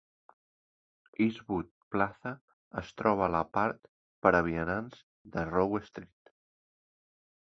Eastwood Plaza es troba a la part per a vianants de Rowe Street.